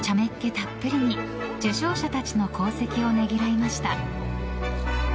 たっぷりに受賞者たちの功績をねぎらいました。